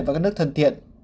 với các nước thân thiện